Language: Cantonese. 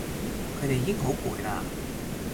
佢哋已經好攰喇